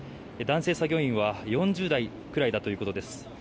男性作業員は４０代くらいだということです。